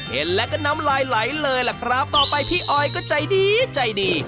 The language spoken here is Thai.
เห็นแล้วก็น้ำลายไหลเลยล่ะครับต่อไปพี่ออยก็ใจดีใจดี